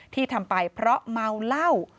ที่ทำไปเพราะเมาเหล้า